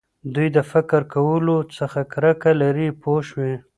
دوی د فکر کولو څخه کرکه لري پوه شوې!.